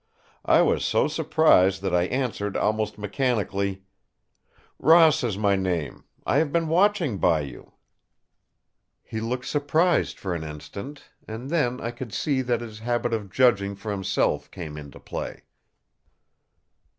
I was so surprised that I answered almost mechanically: "Ross is my name. I have been watching by you!" He looked surprised for an instant, and then I could see that his habit of judging for himself came into play.